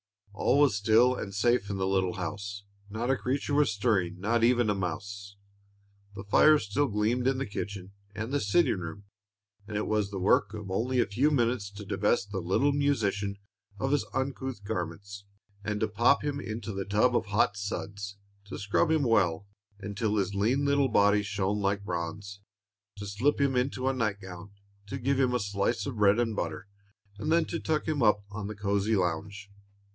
All was still and safe in the little house. "Not a creature was stirring, not even a mouse." The fire still gleamed in the kitchen and the sitting room, and it was the work of only a few moments to divest the little musician of his uncouth garments, to pop him into the tub of hot suds, to scrub him well, until his lean little body shone like bronze, to slip him into a night gown, to give him a slice of bread and butter, and then to tuck him up on the cozy lounge.